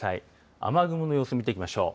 雨雲の様子見ていきましょう。